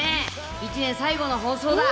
１年最後の放送だ。